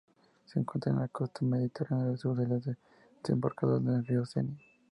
Se encuentra en la costa mediterránea al sur de la desembocadura del río Cenia.